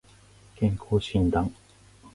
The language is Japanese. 健康診断